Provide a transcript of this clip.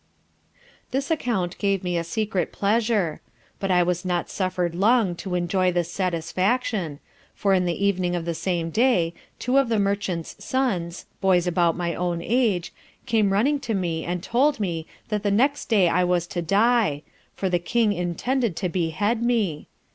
This account gave me a secret pleasure; but I was not suffer'd long to enjoy this satisfaction, for in the evening of the same day, two of the merchant's sons (boys about my own age) came running to me, and told me, that the next day I was to die, for the King intended to behead me.